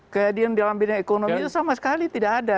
kehadiran dalam bidang ekonomi itu sama sekali tidak ada